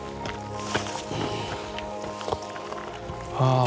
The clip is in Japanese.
ああ。